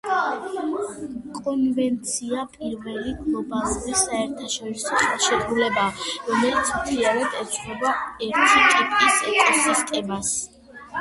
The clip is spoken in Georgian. კონვენცია პირველი გლობალური საერთაშორისო ხელშეკრულებაა, რომელიც მთლიანად ეძღვნება ერთი ტიპის ეკოსისტემას.